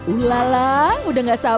ulala udah gak sabar ya